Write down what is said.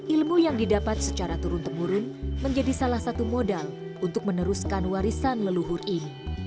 ilmu yang didapat secara turun temurun menjadi salah satu modal untuk meneruskan warisan leluhur ini